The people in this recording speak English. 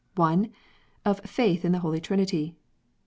1. Of Faith in the Holy Trinity.